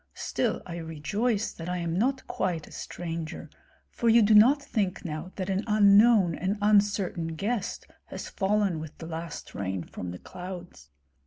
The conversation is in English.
Still I rejoice that I am not quite a stranger, for you do not think now that an unknown and uncertain guest has fallen with the last rain from the clouds.